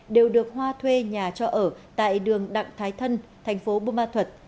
đều được hoa thuê nhà cho ở tại đường đặng thái thân thành phố bù ma thuật